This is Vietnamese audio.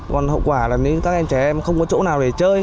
còn hậu quả là nếu các em trẻ em không có chỗ nào để chơi